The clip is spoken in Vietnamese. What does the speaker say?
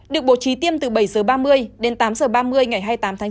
được bố trí tiêm từ bảy h ba mươi đến tám h ba mươi ngày hai mươi tám tháng chín